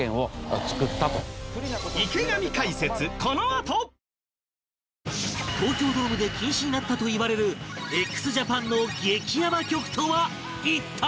あー東京ドームで禁止になったといわれる ＸＪＡＰＡＮ の激ヤバ曲とは一体？